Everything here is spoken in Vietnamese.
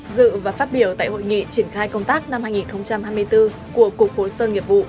dự và phát biểu tại hội nghị triển khai công tác năm hai nghìn hai mươi bốn của cục hồ sơ nghiệp vụ